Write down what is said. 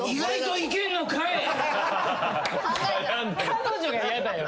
彼女がやだよ。